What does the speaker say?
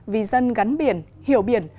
vì dân gắn biển hiểu biển